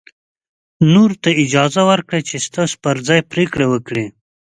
نورو ته اجازه ورکړئ چې ستاسو پر ځای پرېکړه وکړي.